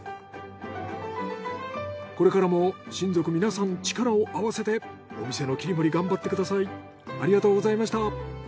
これからも親族皆さん力を合わせてお店の切り盛り頑張ってください。